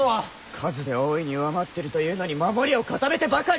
数で大いに上回ってるというのに守りを固めてばかり！